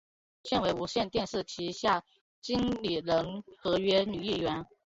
现为无线电视旗下经理人合约女艺员。